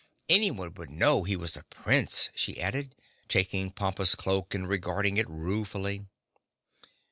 Anyone would know he was a Prince," she added, taking Pompa's cloak and regarding it ruefully.